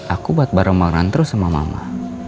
aku buat bareng bareng terus sama mama